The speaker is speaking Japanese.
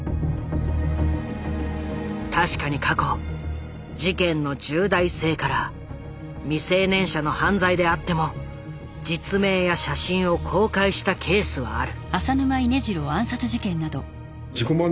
確かに過去事件の重大性から未成年者の犯罪であっても実名や写真を公開したケースはある。